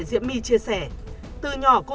diễm my chia sẻ từ nhỏ cô